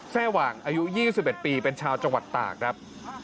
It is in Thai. แทร่หว่างอายุยี่สิบเอ็ดปีเป็นชาวจังหวัดตากครับ